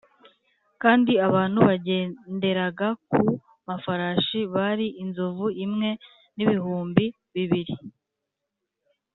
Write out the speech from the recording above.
kandi abantu bagenderaga ku mafarashi bari inzovu imwe n’ibihumbi bibiri